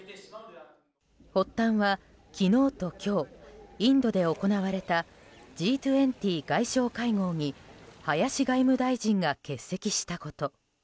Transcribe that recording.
発端は昨日と今日インドで行われたＧ２０外相会合に林外務大臣が欠席したこと。